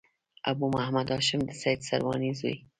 ابو محمد هاشم د زيد سرواني زوی.